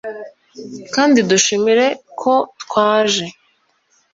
Kandi dushimire ko twaje